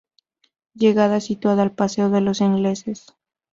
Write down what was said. Llegada situada al Paseo de los Ingleses